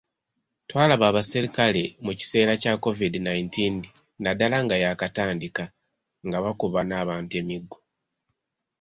Twalaba abaserikale mu kiseera kya Covid nineteen naddala nga yaakatandika nga bakuba n'abantu emiggo